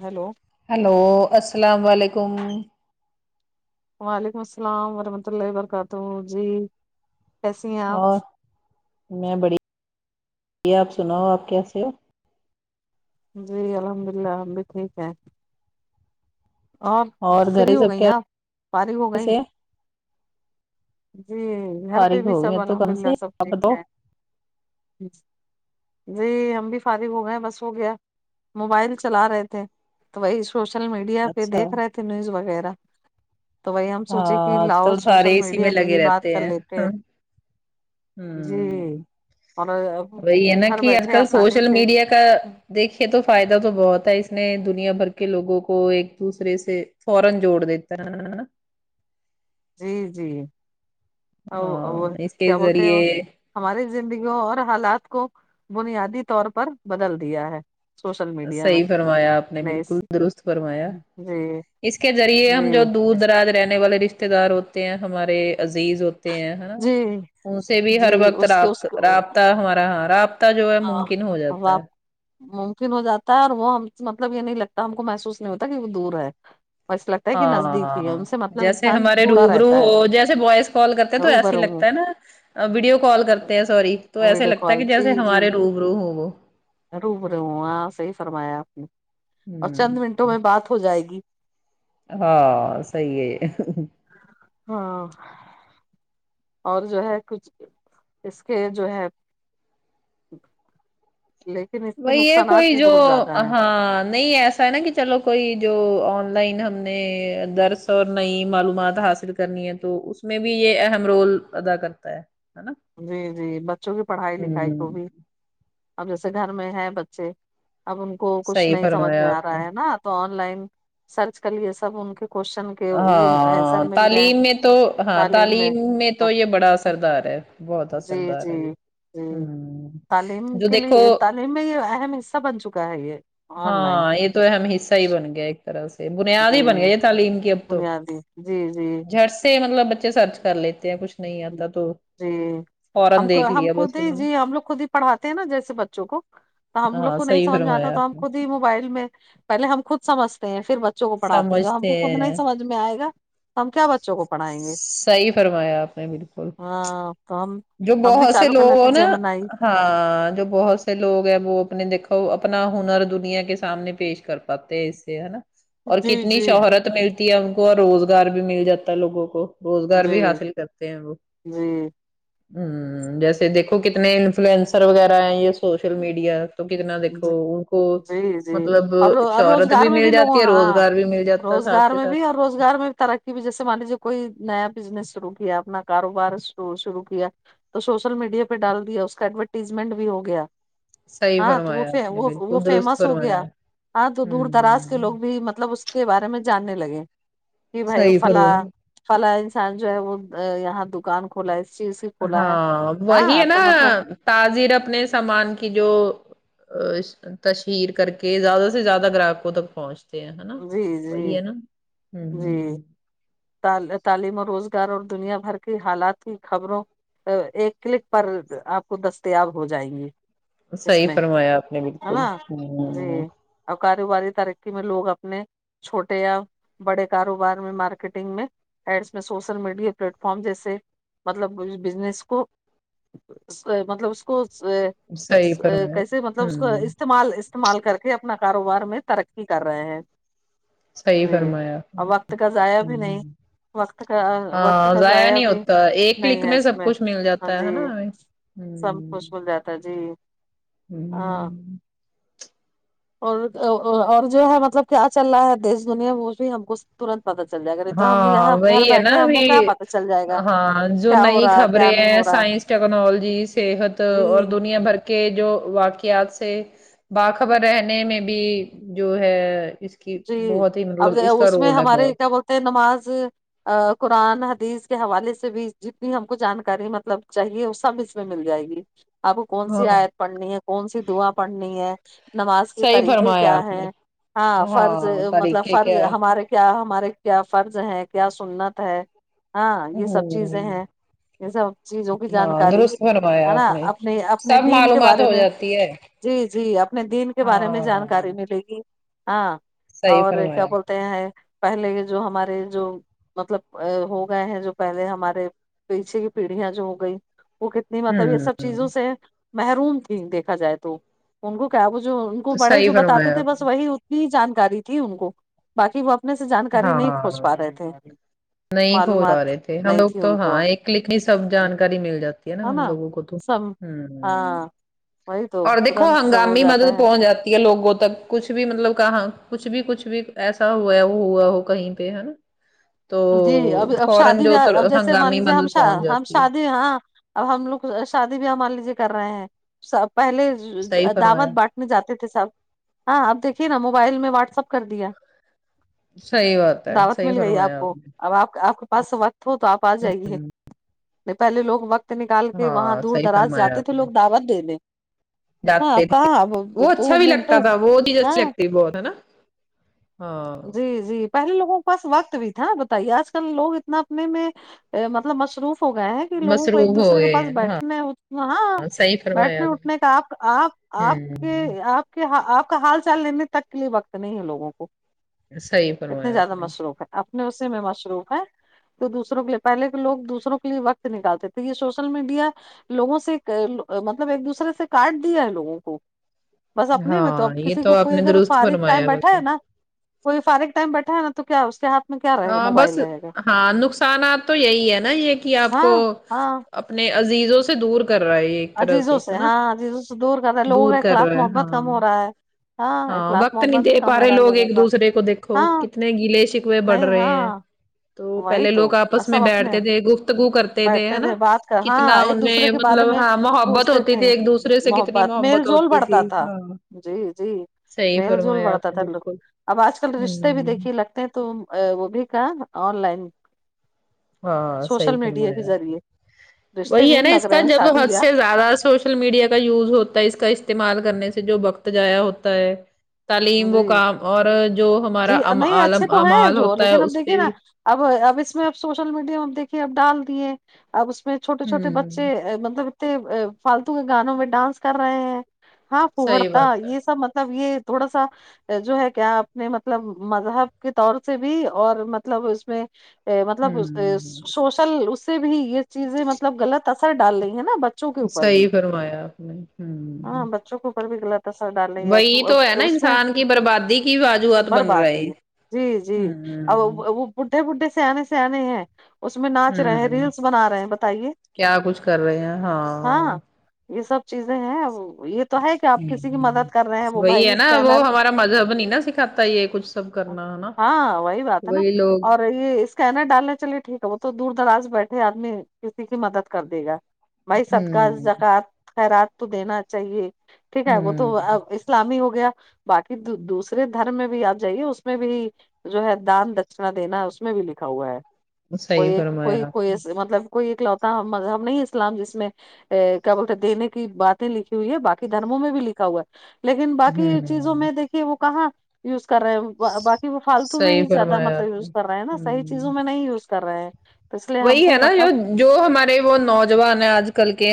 Hello hello السلام علیکم وعلیکم السلام ورحمۃ اللہ وبرکاتہ جی کیسی ہیں آپ اور میں بڑیا آپ سناؤ آپ کیسے ہو جی الحمد اللہ ہم بھی ٹھیک ہیں اور فری گھر ہو سب گئیں آپ فارغ ہو گئیں کیسے ہیں؟ جی گھر پہ فارغ بھی ہو گئے سب تو الحمد کم للہ سے سب آپ ٹھیک بتاؤ ہے جی ہم بھی فارغ ہو گئے ہیں بس ہو گیا موبائل چلا رہے تھے تو وہی سوشل میڈیا پہ اچھا دیکھ رہے تھے نیوز وغیرہ تو وہی ہم سوچے کہ ہاں آج لاؤ کل سوشل سارے اسی میں میڈیا پہ لگے ہی بات رہتے کر لیتے ہیں ہاں، جی ہوں اور وہی ہے نا گھر کہ آج بیٹھے کل آسانی سوشل سے میڈیا کا دیکھیے تو فائدہ تو بہت ہے اس نے دنیا بھر کے لوگوں کو ایک دوسرے سے فورن جوڑ دیتا ہے ا [unintelligible] جی جی اور ہاں، وہ اس کے کیا بولتے ہیں ذریعے وہ ہماری زندگی اور حالات کو بنیادی طور پر بدل دیا ہے سوشل میڈیا میں صحیح فرمایا آپ نے بالکل درست فرمایا جی اس کے ذریعے ہم جو جی دور دراز رہنے والے رشتے دار ہوتے ہیں ہمارے عزیز ہوتے ہیں جی ان سے بھی جی ہر وقت اس کے اس راب رابطہ ہمارا ہاں رابط ہ جو ہے ممکن ہو جاتا ہے ممکن ہو جاتا ہے اور وہ مطلب یہ نہیں لگتا ہم کو محسوس نہیں ہوتا کہ وہ دور ہے بس لگتا ہے کہ ہاں نزدیک ہی ہے ہاں ان سے مطلب جیسے انسان ہمارے جڑا روبرو رہتا ہے ہو جیسے وائس کال کرتے تو ایسے ہی روبرو ہوں لگتا ہے نا ویڈیو کال کرتے ہیں سوری تو ایسے ویڈیو لگتا ہے کال کہ جی جیسے جی ہمارے روبرو ہو وہ روبرو ہوں ہاں صحیح فرمایا آپ نے اور ہوں چند منٹوں میں بات ہو جائے گی ہاں صحیح ہے ہاں اور جو ہے کچھ اس کے جو ہے لے وہی ہے کوئی جو ہاں نہیں ایسا ہے نا کہ چلو کوئی جو آن لائن ہم نے درس اور نئی معلومات حاصل کرنی ہے تو اس میں بھی یہ اہم رول ادا کرتا ہے ہے نا جی جی بچوں کی پڑھائی لکھائی کو ہوں بھی اب جیسے گھر میں ہے بچے اب ان کو کچھ صحیح نہیں سمجھ فرمایا میں آ آپ نے رہا ہے نا تو آن لائن سرچ کر لیے سب ان کے کوشن ہاں تعلیم میں تو ہاں تعلیم میں تو یہ بڑا اثردار ہے بہت جی اثردار جی ہے یہ جی ہوں تعلیم جو کے دیکھو لیے تعلیم میں یہ اہم حصہ بن چکا ہے یہ آن لائن ہاں یہ تو اہم حصہ ہی بن گیا ایک طرح سے بنیاد جی ہی بن گیا یہ تعلیم کی اب بنیادی جی جی جٹ سے مطلب بچے سرچ کر لیتے ہیں کچھ نہیں آتا تو جی فورا ہم دیکھ ہم لیا بس خود ہی انہوں نے جی ہم لوگ خود ہی پڑھاتے ہیں نا جیسے بچوں کو تو ہم لوگ ہاں کو نہیں صحیح سمجھ میں آتا فرمایا تو ہم آپ نے خود ہی موبائل میں پہلے ہم خود سمجھتے ہیں پھر بچ بچوں کو پڑھاتے ہیں جب ہم سمجھتے کو خود نہیں ہیں سمجھ میں آئے گا ہم کیا بچوں کو پڑھائیں گے صحیح فرمایا آپ نے بالکل ہاں کم جو بہت سے لوگ ہو نا ہاں جو بہت سے لوگ ہیں وہ اپنے دیکھو اپنا ہنر دنیا کے سامنے پیش کر پاتے ہیں اس نا اور جی کتنی جی شہرت ملتی ہے ان کو اور روزگار بھی مل جاتا ہے لوگوں کو روزگار جی بھی حاصل کرتے ہیں وہ جی ہمم جیسے دیکھو کتنے انفلوئنسر وغیرہ ہیں یہ سوشل میڈیا تو کتنا دیکھو جی ان کو مطلب شہرت گار میں مل بھی لوگوں جاتی ہے ہاں روزگار بھی مل جاتا ہے ساتھ روزگار کے میں ساتھ بھی اور روزگار میں بھی ترق ی جیسے مان لیجیے کوئی نیا بزنس شروع کیا اپنا کاروبار شرع شروع کیا تو سوشل میڈیا پہ ڈال دیا اس کا ایڈورٹیزمنٹ بھی ہو گیا صحیح ہاں تو وہ فرمایا آپ نے وہ وہ بالکل درست فیمس ہو فرمایا گیا ہے۔ ہاں تو دور دراز کے ہوں لوگ بھی مطلب اس کے بارے میں جاننے لگے کہ بھائی صحیح فلا فرمایا فلا انسان جو ہے وہ یہاں دکان کھولا ہے اس چیز کی کھولا ہے ہاں وہی ہاں ہے نا تو مطلب تاجر اپنے سامان کی جو ا تشہیر کر کے زیادہ سے زیادہ گراہکوں تک پہنچ دیا تھا نا جی جی وہی ہے نا ہ ت تعلیم و روزگار اور دنیا بھر کی حالات کی خبروں ایک کلک پر آپ کو دستیاب ہو جائیں گے صحیح فرمایا آپ نے بالکل جی ہ اور کاروباری ترقی میں لوگ اپنے چھوٹے یا بڑے کاروبار میں مارکی کیٹنگ میں ایڈس میں سوشل میڈیا پلیٹ فارم جیسے مطلب اس بزنس کو مطلب اس کوسے صحیح فرمایا کیسے مطلب اس کو ہوں استعمال استعمال کر کے اپنا کاروبار میں ترقی کر رہے ہیں صحیح جی فرمایا آپ نے اور وقت کا ضائع بھی نہیں ہوں وقت کا وقت ہاں کا ضائع نہیں بھی ہوتا ایک کلک نہیں ہے اس سب میں کچھ مل ہاں جاتا ہے ہے جی نا ہمیں سب ہوں کچش مل جاتا جی ہوں ہاں اور اور جو ہے مطلب کیا چل رہا ہے دیش دنیا وہ بھی ہم کو ترنت پتا چل جائے گا اے تو ہم ہاں یہاں گھر وہی ہے نا بیٹھے ہیں ہم کو کیا ابھی پتا چل جائے گا ہاں جو کیا ہو نئی رہا ہے کیا خبریں نہیں ہیں ہو رہا سائنس ٹیکنالوجی صحت اور جی دنیا بھر کے کے جو واقعات سے باخبر رہنے میں بھی جو ہے اس کہ جی بہت ہی مطلب اس کا رول ہے بہت تے نماز ا قرآن حدیث کے حوالے سے بھی جتنی ہم کو جانکاری مطلب چاہیے وہ سب اس میں مل جائے گی آپ کون ہاں سی آیت پڑھنی ہے کون سی دعا پڑھنی ہے نماز کے صحیح طریقے فرمایا کیا آپ ہے نے ہاں فرض مطلب طریقے فرض کیا ہے ہمارے کیا ہمارے کیا فرض ہیں کیا سنت ہے ہاں یہ سب چیزیں ہوں ہیں یہ سب چیزوں کی ہاں جانکاری درست فرمایا ہے آپ نا نے اپنے اپنے سب دین کے معلومات بارے ہو میں جاتی ہے جی جی اپنے دین کے بارے میں ہاں جانکاری ملے گی ہاں صحیح اور کیا فرمایا ہوں بول تے ہیں پہلے جو ہمارے جو مطلب ہو گئے ہیں جو پہلے ہمارے پیچھے کی پیڑھیاں جو گئی وہ نہیں مطلب یہ سب چیزوں سے محروم تھی دیکھا جائے تو ان کو کیا وہ جو کو بڑے صحیح جو بتاتے فرمایا تھے آپ بس نے وہی اتنی جانکاری تھی ان کو باقی وہ اپنے سے جانکاری نہیں کھوج پا ہاں رہے تھے نہیں کھوج پا معلومات رہے تھے ہم نہیں لوگ تھی تو ان کو ہاں ایک کلیک ہی سب جانکاری مل جاتی ہے نا ہم لوگوں کو تو سب ہ ہاں وہی تو اور دیکھو ترنت سب ہو ہنگامی جاتا مدد ہے پہنچ جات یہ لوگوں تک کچھ بھی مطلب کہاں کچھ بھی کچھ بھی ایسا ہوا وہ ہوا ہو کہیں پہ ہے نا [inaudible] جی اب اب فورن شادی بے جو اب جیسے مان ہنگامی لیجیے ہم مدد پہنچ ہم جاتی ہے شادی ہاں اب ہم لوگ شادی بھی ہمار لیجیے کر رہے ہیں پہلے صحیح دعوت فرمایا بٹ نے جاتے تھے سب ہاں آپ دیکھیے نا موبائل میں واٹس اپ کر دیا صحیح بات ہے دعوت صحیح مل گئی فرمایا آپ کو نے اب آپ آپ کے پاس وقت ہو تو آپ آ جائیے پہلے لوگ وقت وقت نکال کے وہاں ہاں دور صحیح دراز فرمایا جاتے آپ تھے نے لوگ دعوت دے نے ہاں جاتے اب تھے کہاں ا وہ دو اچھا بھی لگتا منٹوں تھا وہ چیز اچھی ہاں لگتی بہت ہے نا ہاں جی جی پہلے لوگوں کے پاس وقت بھی تھا بتائیے آج کل لوگ اتنا اپنے میں مطلب مشروف ہو گیا ہے کہ لوگوں کو مصروف ایک ہو دوسرے کے گئے پاس ہیں ہاں بیٹھنے یو ہاں صحیح فرمایا بیٹھنے آپ اٹھنے کا آپ آپ نے آپ کے ہوں آپ کہ آپ کا حال چال لینے تک کے لیے وقت نہیں ہے لوگوں کو صحیح اتنے فرمایا زیادہ آپ نے مصروف ہے اپنے اسی میں مشروف ہے تو دوسروں کے لیے پہلے کے لوگ دوسروں کے لیے وقت نکالتے تھے یہ سوشل میڈیا لوگوں سے مطلب ایک دوسرے سے کاٹ دیا ہے لوگوں کو بس اپنے میں تو اب ہاں یہ کسی کو آپ کوئی نے اگر درست فارغ ٹائم فرمایا بیٹھا بلکہ ہے نا کوئی فارغ ٹائم بیٹھا ہےنا تو کیا اس کے ہاتھ میں کیا رہے گا ہاں موبائل بس رہے گا ہاں نقصانات تو یہی ہے نا یہ کہ آپ کو ہاں ہاں اپنے عزیزوں سے دور کر رہا ہے یہ ایک طرح سے عزیزوں ہے نا ہاں عزیزوں سے دور کر رہا ہے لوگوں دور کا کر اخلاق رہا ہے محبت ہاں کم ہو رہا ہے ہاں اخلاق وقت نہیں محبت دے بھی پا کم ہو رہے رہا ہے لوگ لوگوں ایک کا دوسرے کو دیکھو ہاں کتنے گیلے شک وے بڑھ نہیں رہے ہیں ہاں تو وہی پہلے تو لوگ آپس میں سب اپنے بیٹھتے تھے گفتگو کرتے تے تھے ہے بیٹھتے نہ بات کر ہاں کتنا ایک ان میں دوسرے کے بارے مطلب میں ہاں محبت پوچھتے ہوتی تھے تھی ایک دوسرے سے کتنی میل محبت جول ہوتی تھی بڑھتا جی تھا ہاں جی جی صحیح میل جول فرمایا بڑھتا آپ نے تھا لوگ بالکل اب آج کل رشتے بھی ہوں دیکھیے لگتے ہیں تو وہ بھی کا آن لائن ہاں سوشل صحیح میڈیا کے فرمایا آپ نے ذریعے رشتے وہی بھی ہے نا لگ اس کا رہے ہیں جب شادی حد بیاہ سے زیادہ سو شل میڈیا کا یوز ہوتا ہے اس کا استعمال کرنے سے جو وقت ضائع ہوتا ہے تعلیم وہ جی کام اور جو جی ہمارا ام نہیں اچھے الم تو ہیں اعمال جو ہوتا ہے لیکن اب اس دیکھیے پہ نا بھی اب اب اس میں اب سوشل میڈیا میں اب دیکھیے اب ڈال دیے اب اس میں چھوٹے چھوٹے بچے ہوں مطلب اتنے فالتو کے گانوں میں ڈانس کر رہے ہیں ہاں صحیح پھڑتا بات ہے یہ سب مطلب یہ تھوڑا سا جو ہے کیا اپنے مطلب مذہب کے طور سے بھی اور مطلب اس میں مطلب ہوں سوشل اس سے بھی یہ چیزیں مطلب غلط اثر ڈال رہی ہے نا بچ صحیح فرمایا آپ نے ہمم چو کو اوپر بھی غلط اثر ڈالینگی اب ہے نا اس میں انسان کی بربادی کی وجوہات بن رہے بربادی ہے جی جی ہوں ا وہ بڈھے بڈھے سیانے سیانے ہیں اس میں ناچ رہے ہیں ہوں ریلس بنا رہے ہیں بتائیے کیا کچھ کر رہے ہیں ہاں یہ سب چیزیں ہیں یہ تو ہے کہ آپ کسی کی ہوں مدد کر رہے ہیں وہ وہی بھائی ہے نا اسکینر وہ ہمارا مذہب نہیں نا سکھاتا یہ کچھ سب کرنا ہے نا وہی لوگ تو یہ اسکینر ڈالنے چلیے ٹھیک ہے وہ تو دور دراز بیٹھے آدمی کسی کی مدد کر دے گا بھائی صدقہ ہوں زکوۃ خیرات تو دینا چاہیے ٹھیک ہے وہ تو ہوں اب اس اسلامی ہو گیا باقی دوسرے دھرم میں بھی آپ جائیے اس میں بھی جو ہے دان دکنا دینا اس میں بھی لکھا ہوا ہے کوئی صحیح ایک کوئی فرمایا آپ کوئی ای مطلب کوئی اکلوتا مذہب نہیں اسلام جس میں ا کیا بولتے دینے کی باتیں لکھی ہوئی ہے باقی دھرموں میں بھی لکھا ہوا ہے لیکن نے باقی چیزوں ہوں میں د دیکے وہ کہاں یوز کر رہے ہیں باقی وہ فالتو میں صحیح ہی زیادہ فرمایا مطلب آپ نے یوز کر رہے ہیں نا صحیح ہوں چیزوں میں نہیں یوز کر رہے ہیں تو اس لیے ہم وہی کو ہے نا جو مطلب جو ہمارے وہ نوجوان ہیں آج کل کے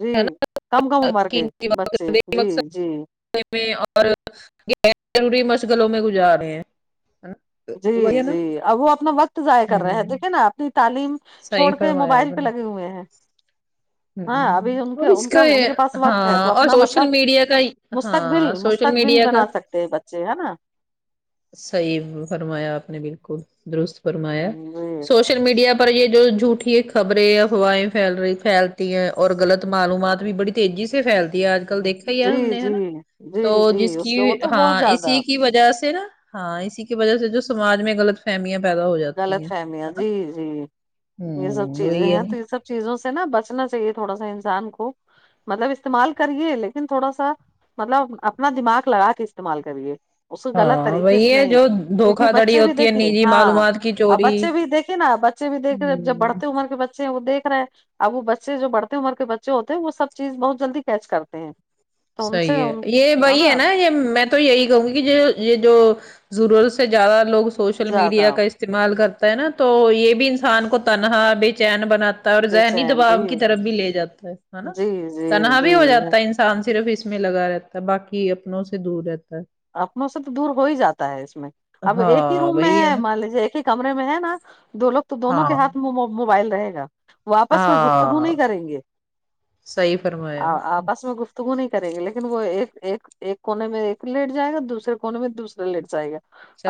جی نا [unintelligible] کم کم عمر کے بچے جی جی [unintelligible] اور ضروری مشغلوں میں گزار رہے ہیں جی وہی ہے نا جی اب وہ اپنا وقت ضائع کر رہے ہیں ہوں دیکھیے نا اپنی تعلیم صحیح چھوڑ کے فرمایا موبائل پہ لگے ہوئے ہیں ہاں ہوں ابھی ان اور کے اس ان کا ان یہ کے پاس وقت ہے ہاں تو اور اپنا مطلب سوشل میڈیا کا ہی ہاں سوشل میڈیا کا چی ہے نا صحیح فرمایا آپ نے بالکل درست فرمایا سوشل میڈیا پر یہ جو جھوٹی خبریں افوائیں پھیل رہی پھیلتی ہیں اور غلط معلومات بھی بڑی تیزی سے پھیلتی ہے آج کل جی دیکھا ہی ہے ہم جی نے ہے جی نا تو جی جی جس کی اس کا وہ تو ہاں بہت زیادہ اسی کی وجہ سے نا ہاں اسی کی وجہ سے جو سماج میں غلط فہمیاں پیدا ہو جاتی ہیں غلط فہمیاں ہے نا جی جی یہ سب ہوں چیزیں وہی ہے ہیں نا تو یہ سب چیزوں سے نا بچنا چاہیے تھوڑا سا انسان کو مطلب استعمال کرئے لیکن تھوڑا سا مطلب اپنا دماغ لگا کے استعمال کریے اس کو غلط ہاں طریقے سے وہی ہے نہیں جو کیونکہ دھوکا دھڑی بچے بھی ہوتی ہے دیکھیے نجی ہاں معلومات کی اب چوری بچے بھی دیکھے نا بچے بھی دیکھے جب ہوں بڑھتے عمر کے بچے ہیں وہ دیکھ رے اب وہ بچے جو بڑھتے عمر کے بچے ہوتے ہیں وہ سب چیز بہت جلدی کیچ کرتے ہیں تو ان سے صحیح ان ہے یہ وہی ہے نا یہ میں تو یہی کہوں گی یہ جو ضرورت سے زیادہ لوگ سوشل زیادہ میڈیا کا اس تعمال کرتا ہے نا تو یہ بھی انسان کو تنہا بے چین بنا ٹا ہے اور بے ذہنی چین جی دباؤ کی طرف بھی لے جاتا ہے ہے نا جی جی تنہا جی بھی ہو جاتا ہے انس ان صرف اس میں لگا رہتا ہے باقی اپنوں سے دور رہتا ہے اپنوں سے تو دور ہو ہی جاتا ہے اس میں اب ایک ہی ہاں روم میں وہی ہے نا مان لیجے ایک ہی کمرے میں ہے نا دو لوگ تو دونوں ہاں کے ہاتھ میںو موبائل رہے گا وہ آپس میں گفتگو ہاں نہیں کریں گے صحیح ا فرمایا آپ نے آپس میں گف تگو نہیں کریں گے لیکن وہ ایک ایک ایک کونے میں ایک لیٹ جائے گا دوسرے کونے میں دوسرے لیٹ جائے گا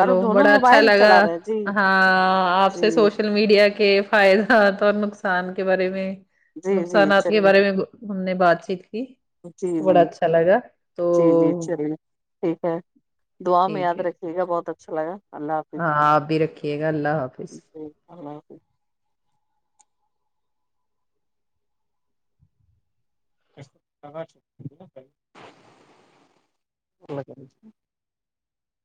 اور وہ دونوں بڑا اچھا موبائل لگا چلا رہے ہیں۔ جی ہاں آپ سے جی سوش میڈیا کے فائدات اور نقصان کے بارے میں جی جی نقصانات کے چلیے بارے میں ہم نے بات چیت کی جی تو جی بڑا اچھا لگا تو جی جی چلیے ٹھیک ہے دعا میں یاد رکھ ٹھیک ہے بہت اچھا لگا اللہ حافظ ہاں آپ بھی رکھیے گا اللہ حافظ جی اللہ حافظ [unintelligible]